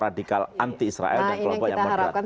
radikal anti israel nah ini yang kita harapkan